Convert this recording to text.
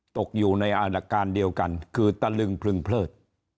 ตกอยู่ในอาณาการเดียวกันคือตะลึงพลึงเพลิด